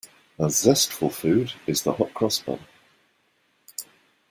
A zestful food is the hot-cross bun.